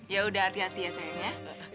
ya udah hati hati ya sayangnya